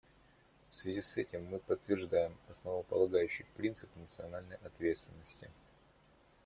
В связи с этим мы подтверждаем основополагающий принцип национальной ответственности.